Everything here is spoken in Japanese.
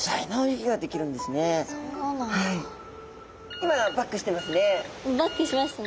今バックしてますね。